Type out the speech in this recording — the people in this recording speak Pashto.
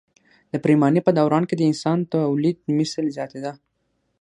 د پریمانۍ په دوران کې د انسان تولیدمثل زیاتېده.